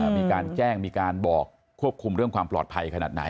มีการแจ้งมีการบอกควบคุมเรื่องความปลอดภัยขนาดไหน